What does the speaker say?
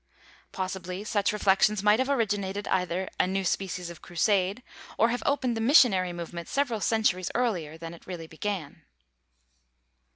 Possibly such reflections might have originated either a new species of crusade, or have opened the missionary movement several centuries earlier than it really began.